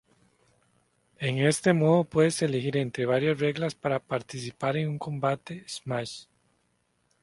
En este modo puedes elegir entre varias reglas para participar en un combate Smash.